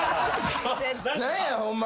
何やホンマに。